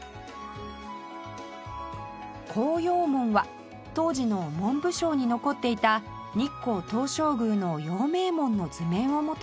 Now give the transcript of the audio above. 孝養門は当時の文部省に残っていた日光東照宮の陽明門の図面をもとに造られました